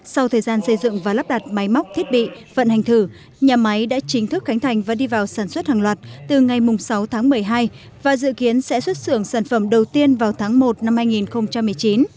sau thời gian xây dựng và lắp đặt máy móc thiết bị vận hành thử nhà máy đã chính thức khánh thành và đi vào sản xuất hàng loạt từ ngày sáu tháng một mươi hai và dự kiến sẽ xuất xưởng sản phẩm đầu tiên vào tháng một năm hai nghìn một mươi chín